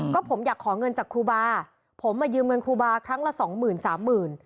ก็ผมอยากขอเงินจากครูบาผมมายืมเงินครูบาครั้งละสองหมื่นสามหมื่น